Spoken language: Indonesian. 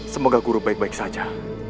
semoga guru baik baik saja